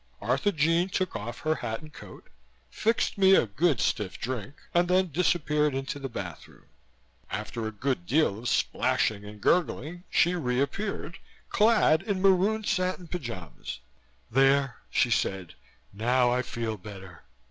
Arthurjean took off her hat and coat, fixed me a good stiff drink and then disappeared into the bathroom. After a good deal of splashing and gurgling, she reappeared clad in maroon satin pyjamas. "There," she said, "now I feel better."